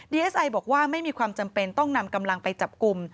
เอสไอบอกว่าไม่มีความจำเป็นต้องนำกำลังไปจับกลุ่ม